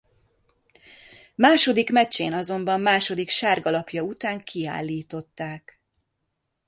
Második meccsén azonban második sárga lapja után kiállították.